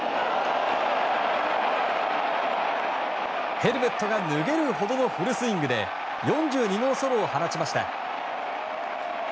ヘルメットが脱げるほどのフルスイングで４２号ソロを放ちました。